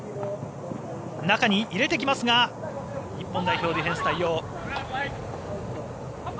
中に入れてきますが日本代表ディフェンス対応。